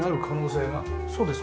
そうです。